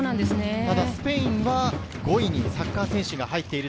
スペインは５位にサッカー選手が入っています。